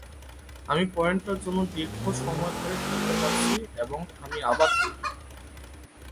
আমি পয়েন্টের জন্য দীর্ঘ সময় ধরে খেলতে পারছি এবং আমি আবার তৈরি।